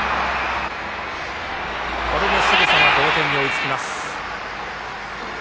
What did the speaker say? これですぐさま同点に追いつきます。